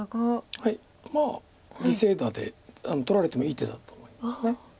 まあ犠牲打で取られてもいい手だと思います。